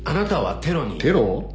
テロ？